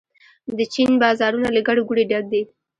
د چین بازارونه له ګڼې ګوڼې ډک دي.